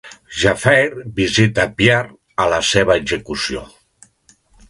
Jaffeir visita a Pierre a la seva execució.